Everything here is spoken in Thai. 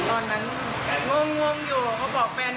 ตอนนั้นงงอยู่เขาบอกแฟน